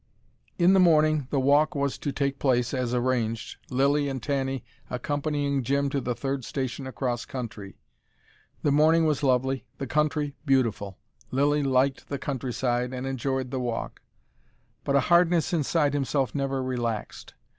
In the morning, the walk was to take place, as arranged, Lilly and Tanny accompanying Jim to the third station across country. The morning was lovely, the country beautiful. Lilly liked the countryside and enjoyed the walk. But a hardness inside himself never relaxed.